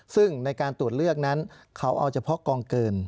ซึ่งในการตรวจเลือกนั้นเขาเอาเฉพาะกองเกิน